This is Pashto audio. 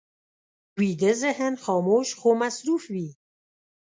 ویده ذهن خاموش خو مصروف وي